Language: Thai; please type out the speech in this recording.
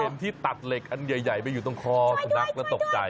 ที่ตัดเหล็กอันใหญ่ไปอยู่ตรงคอสุนัขแล้วตกใจ